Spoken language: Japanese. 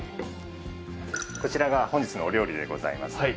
こちらが本日のお料理でございます。